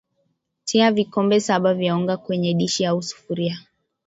Tia vikombe saba vya unga kwenye dishi au sufuria